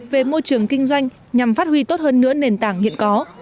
về môi trường kinh doanh nhằm phát huy tốt hơn nữa nền tảng hiện có